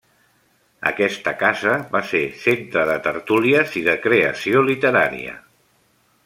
Aquesta casa va ser centre de tertúlies i de creació literària.